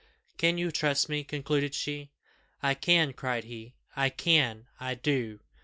"Can you trust me?" concluded she. "I can," cried he. "I can I do!